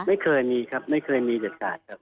ไม่เคยมีครับไม่เคยมีเด็ดขาดครับ